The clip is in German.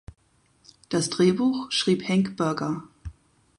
Das Drehbuch schrieb Henk Burger.